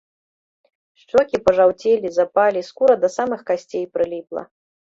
Шчокі пажаўцелі, запалі, скура да самых касцей прыліпла.